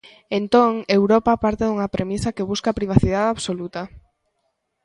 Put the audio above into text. Entón, Europa parte dunha premisa que busca privacidade absoluta.